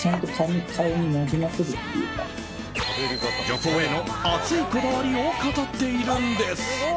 女装への、熱いこだわりを語っているんです。